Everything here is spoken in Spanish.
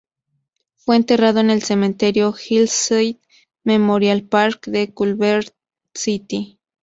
Fue enterrado en el Cementerio Hillside Memorial Park de Culver City.